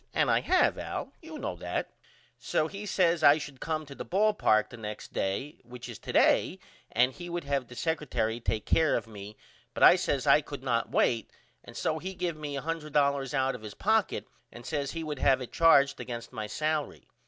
And I have Al. You know that. So he says I should come to the ball park the next day which is to day and he would have the secretary take care of me but I says I could not wait and so he give me $100 out of his pocket and says he would have it charged against my salery.